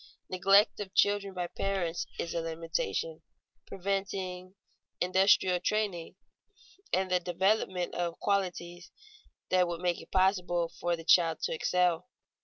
Neglect of children by parents is a limitation, preventing industrial training and the development of qualities that would make it possible for the child to excel.